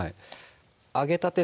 揚げたて